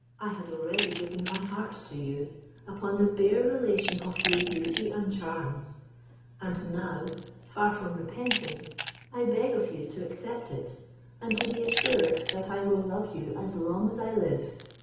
I had already given my heart to you, upon the bare relation of your beauty and charms; and now, far from repenting, I beg of you to accept it, and to be assured that I will love you as long as I live.